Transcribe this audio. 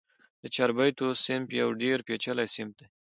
د چاربیتو صنف یو ډېر پېچلی صنف دئ.